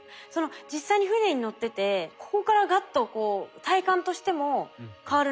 実際に船に乗っててここからガッとこう体感としても変わるなっていうのはあるんですか？